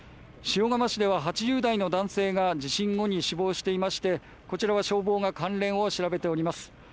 塩釜市では８０代の男性が地震後に死亡していましてこちらは消防が関連を調べております。